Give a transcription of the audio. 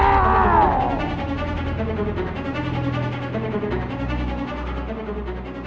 tidak ada yang bisa membatalkan